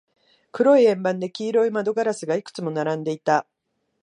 黒い円盤で、黄色い窓ガラスがいくつも並んでいた。